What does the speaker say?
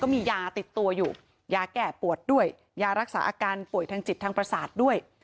มียาติดตัวอยู่ยาแก้ปวดด้วยยารักษาอาการป่วยทางจิตทางประสาทด้วย